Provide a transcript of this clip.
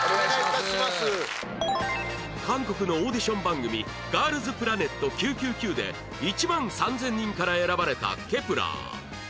韓国のオーディション番組『ＧｉｒｌｓＰｌａｎｅｔ９９９』で１万３０００人から選ばれた Ｋｅｐ１ｅｒ